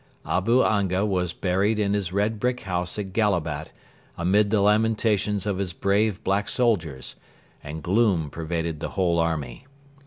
Abu Anga was buried in his red brick house at Gallabat amid the lamentations of his brave black soldiers, and gloom pervaded the whole army.